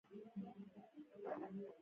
د قلمي ږغ پر کاغذ ښکلی ښکاري.